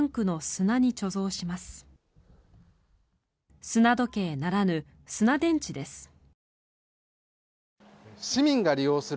砂時計ならぬ、砂電池です。